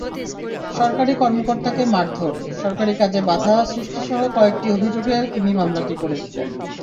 সরকারি কর্মকর্তাকে মারধর, সরকারি কাজে বাধা সৃষ্টিসহ কয়েকটি অভিযোগে তিনি মামলাটি করেছিলেন।